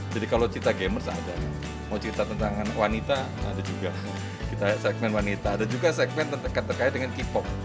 jadi kalau cerita gamers ada mau cerita tentang wanita ada juga segmen wanita ada juga segmen terkait dengan k pop